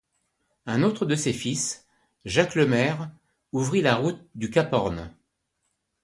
Un autre de ses fils, Jacques Le Maire, ouvrit la route du Cap Horn.